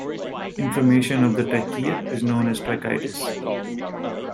Inflammation of the trachea is known as tracheitis.